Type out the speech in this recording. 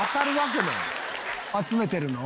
集めてるの？